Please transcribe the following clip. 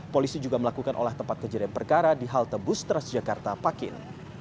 polisi juga melakukan olah tempat kejadian perkara di halte bus transjakarta pakin